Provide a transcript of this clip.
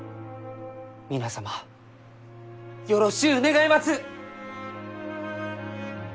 皆様よろしゅう願います！